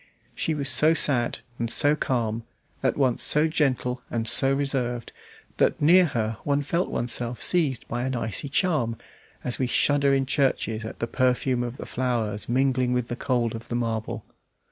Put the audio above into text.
She was so sad and so calm, at once so gentle and so reserved, that near her one felt oneself seized by an icy charm, as we shudder in churches at the perfume of the flowers mingling with the cold of the marble.